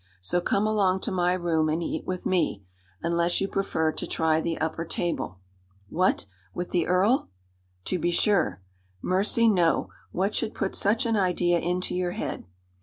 So come along to my room and eat with me unless you prefer to try the upper table." "What! with the earl?" "To be sure." "Mercy, no! What should put such an idea into your head?"